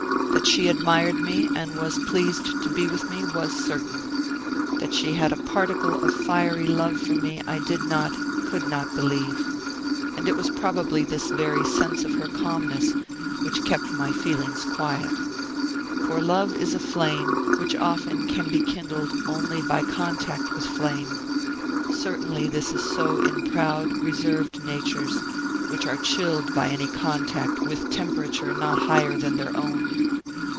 That she admired me, and was pleased to be with me, was certain. That she had a particle of fiery love for me I did not, could not believe. And it was probably this very sense of her calmness which kept my feelings quiet. For love is a flame which often can be kindled only by contact with flame. Certainly this is so in proud, reserved natures, which are chilled by any contact with temperature not higher than their own.